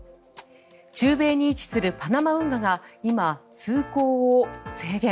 中米に位置するパナマ運河が今通航を制限。